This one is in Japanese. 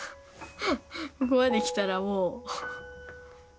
ここまできたらもう。